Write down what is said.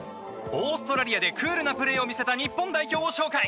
オーストラリアでクールなプレーを見せた日本代表を紹介！